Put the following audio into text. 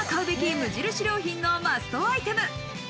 今買うべき無印良品のマストアイテム。